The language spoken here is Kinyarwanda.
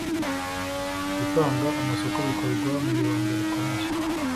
gutanga amasoko bikorwa mwibanga rikomeye